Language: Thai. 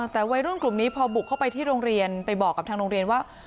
แต่วัยรุ่นกลุ่มนี้พอบุกเข้าไปที่โรงเรียนไปบอกกับทางโรงเรียนว่า